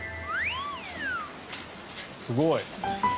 すごい！